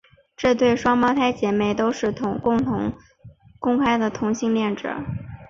这对双胞胎姐妹都是公开的同性恋者。